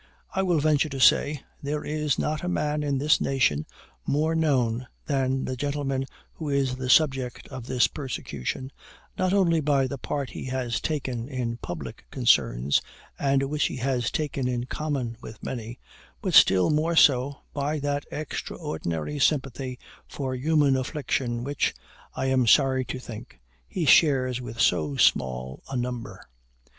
I will venture to say, there is not a man in this nation more known than the gentleman who is the subject of this persecution, not only by the part he has taken in public concerns, and which he has taken in common with many, but still more so by that extraordinary sympathy for human affliction which, I am sorry to think, he shares with so small a number.